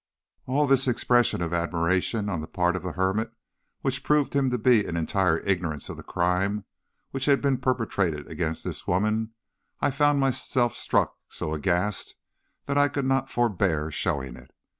At this expression of admiration on the part of the hermit, which proved him to be in entire ignorance of the crime which had been perpetrated against this woman, I found myself struck so aghast that I could not forbear showing it.